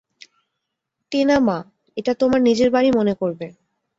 টিনা মা, এটা তোমার নিজের বাড়ি মনে করবে।